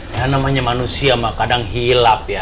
ya namanya manusia mah kadang hilap ya